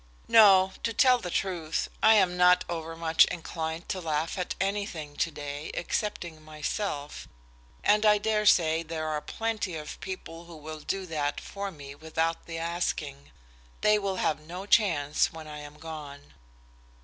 "No; to tell the truth, I am not overmuch inclined to laugh at anything to day, excepting myself, and I dare say there are plenty of people who will do that for me without the asking. They will have no chance when I am gone."